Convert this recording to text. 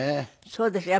そうですか。